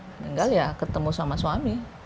meninggal ya ketemu sama suami